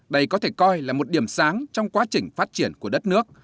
đây có thể coi là một điểm sáng trong quá trình phát triển của đất nước